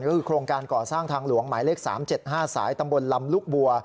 ก็คือโครงการก่อสร้างทางหลวงหมายเลข๓๗๕สายตำบลลำลูกบัว